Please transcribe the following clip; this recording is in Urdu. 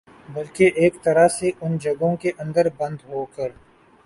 بلکہ ایک طرح سے ان جگہوں کے اندر بند ہوکر